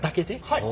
はい。